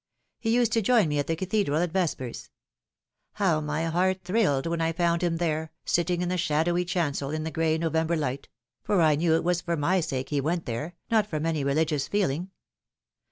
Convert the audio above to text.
He used to join me at the Cathedral at vespers. How my heart thrilled when I found him there, sitting in the shadowy chancel in the gray November light ! for I knew it was for my sake he went there, not from any religious feeling.